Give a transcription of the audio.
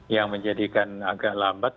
yang menjadikan agak lambat